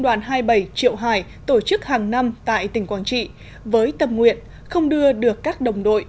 đoàn hai mươi bảy triệu hải tổ chức hàng năm tại tỉnh quảng trị với tâm nguyện không đưa được các đồng đội